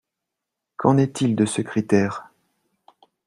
Qu’en est-il de ce critère?